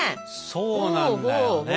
そうなんだよね。